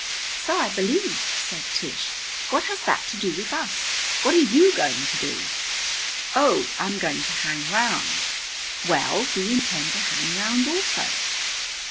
"So I believe," said Tish. "What has that to do with us? What are you going to do?" "Oh, I'm going to hang round." "Well, we intend to hang round also."